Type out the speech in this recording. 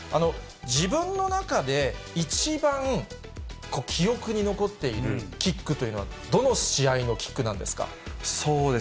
自分の中で一番記憶に残っているキックというのはどの試合のキックなんですか。